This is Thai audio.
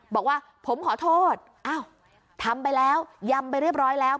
บอกว่าผมขอโทษอ้าวทำไปแล้วยำไปเรียบร้อยแล้ว